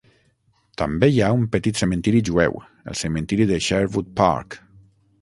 També hi ha un petit cementiri jueu, el cementiri de Sherwood Park.